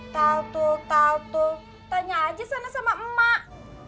tautul tautul tanya aja sama emak